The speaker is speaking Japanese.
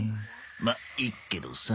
まっいいけどさ。